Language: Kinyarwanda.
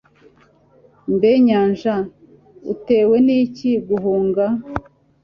mbe nyanja, utewe n'iki guhunga